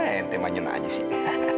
ente manyuna aja sih